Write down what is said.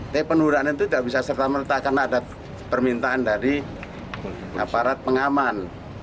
tapi penurunan itu tidak bisa serta merta karena ada permintaan dari aparat pengaman